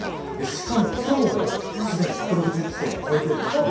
しかも今日も、すでに１６０地点を超えていると。